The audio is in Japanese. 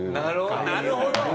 なるほど！